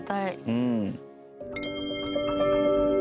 うん。